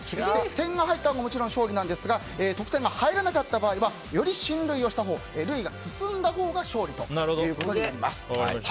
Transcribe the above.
点が入ったらもちろん勝利なんですが得点が入らなかった場合はより進塁したほう塁が進んだほうが勝利となります。